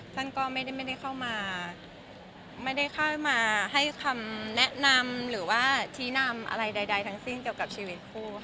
ท่านก็ไม่ได้เข้ามาไม่ได้เข้ามาให้คำแนะนำหรือว่าชี้นำอะไรใดทั้งสิ้นเกี่ยวกับชีวิตคู่ค่ะ